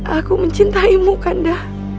aku mencintaimu kanda